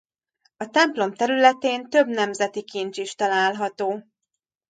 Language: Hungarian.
A templom területén több nemzeti kincs is található.